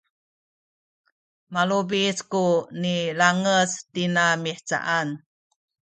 malubic ku nilangec tina mihcaan